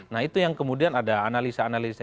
nah itu yang kemudian ada analisa analisa